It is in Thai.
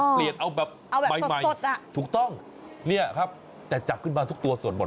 เปลี่ยนเอาแบบใหม่ถูกต้องนี่ครับจะจับขึ้นมาทุกตัวส่วนหมด